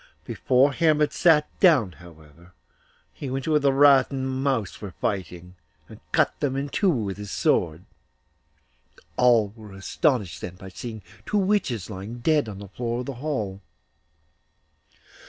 Before Hermod sat down, however, he went to where the rat and the mouse were fighting, and cut them in two with his sword. All were astonished then by seeing two witches lying dead on the floor of the hall.